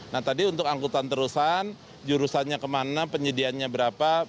nah tadi untuk angkutan terusan jurusannya kemana penyediaannya berapa